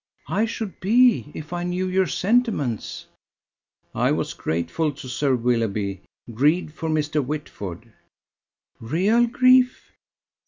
"I should be if I knew your sentiments." "I was grateful to Sir Willoughby: grieved for Mr. Whitford." "Real grief?"